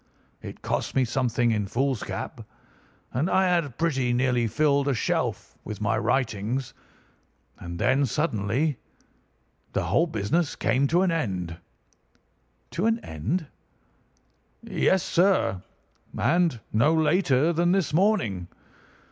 It cost me something in foolscap, and I had pretty nearly filled a shelf with my writings. And then suddenly the whole business came to an end." "To an end?" "Yes, sir. And no later than this morning.